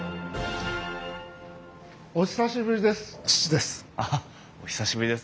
お久しぶりです父です。